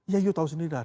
ya anda tahu sendiri lah